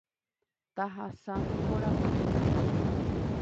Tahasa nde korapy rupi.